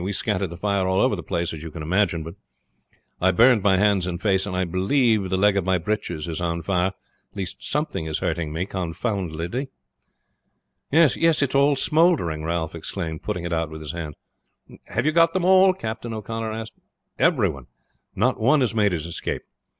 We scattered the fire all over the place, as you can imagine; but I burned my hands and face, and I believe the leg of my breeches is on fire something is hurting me confoundedly." "Yes, it is all smoldering!" Ralph exclaimed, putting it out with his hands. "Have you got them all?" Captain O'Connor asked. "Everyone; not one has made his escape.